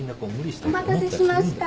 お待たせしました。